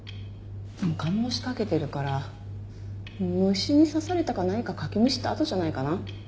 化膿しかけてるから虫に刺されたか何かかきむしった痕じゃないかな。